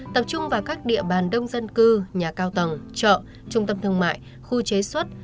tập trung vào các địa bàn đông dân cư nhà cao tầng chợ trung tâm thương mại khu chế xuất